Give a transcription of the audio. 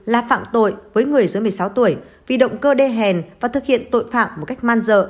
là phạm tội với người dưới một mươi sáu tuổi vì động cơ đê hèn và thực hiện tội phạm một cách man dợ